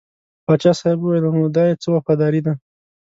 پاچا صاحب وویل نو دا یې څه وفاداري ده.